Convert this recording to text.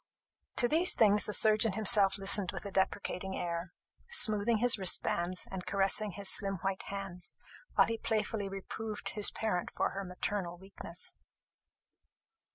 To these things the surgeon himself listened with a deprecating air, smoothing his wristbands, and caressing his slim white hands, while he playfully reproved his parent for her maternal weakness.